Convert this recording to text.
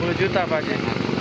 rp dua puluh pak gia